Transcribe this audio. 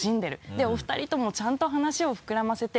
でお二人ともちゃんと話を膨らませて。